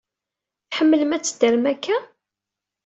Tḥemmlem ad teddrem akka?